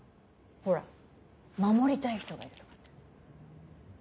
ほら守りたい人がいるとかって。